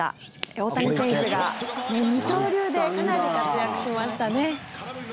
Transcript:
大谷選手が二刀流でかなり活躍しましたね。